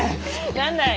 何だい？